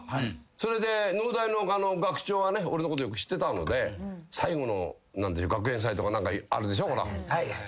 それで農大の学長がね俺のことよく知ってたので最後の学園祭とか何かあるでしょほら。